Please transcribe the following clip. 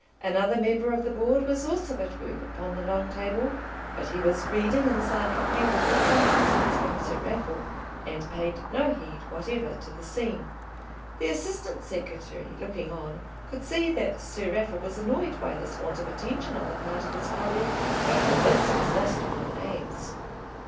Another member of the Board was also at work upon the long table; but he was reading and signing papers at some distance from Sir Raffle, and paid no heed whatever to the scene. The assistant secretary, looking on, could see that Sir Raffle was annoyed by this want of attention on the part of his colleague, but all this was lost upon Eames.